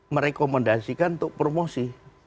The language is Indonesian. merekomendasikan untuk promosi